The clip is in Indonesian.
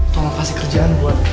tolong kasih kerjaan buat tante sofia